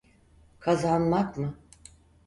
Kazanmak mı?